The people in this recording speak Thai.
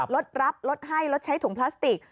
ลดรับลดให้ลดใช้ถุงพลาสติก